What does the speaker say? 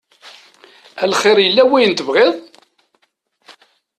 A lxir yella wayen tebɣiḍ?